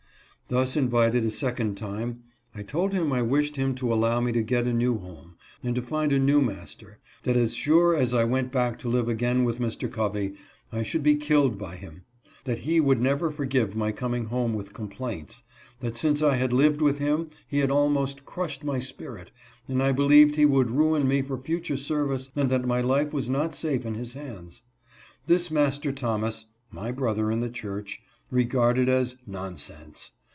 Thus invited a second time, I told him I wished him to allow me to get a new home, and to find a new master ; that as sure as I went back to live again with Mr. Covey, I should be killed by him; that he would never forgive my coming home with complaints; that since I had lived with him he had almost crushed my spirit, and I believed he would ruin me for future service and that my life was not safe in his hands. This Master Thomas (my brother in the church') regarded as " non sense."